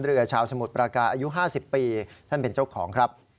ชาวสมุทรปราการอายุ๕๐ปีท่านเป็นเจ้าของครับ